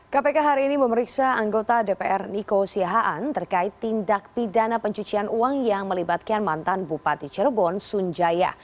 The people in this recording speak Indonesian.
kpk hari ini memeriksa anggota dpr niko siahaan terkait tindak pidana pencucian uang yang melibatkan mantan bupati cirebon sunjaya